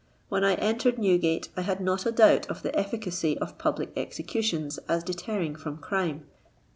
When I entered Newgate I had not a doubt of the efficacy of public executions as deterring from crime.